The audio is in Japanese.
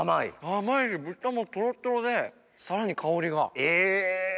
甘いし豚もトロトロでさらに香りが。え！